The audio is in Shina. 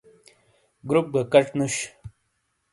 گُرُپ گہ کَش نُش۔